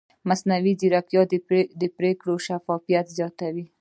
مصنوعي ځیرکتیا د پرېکړو شفافیت زیاتوي.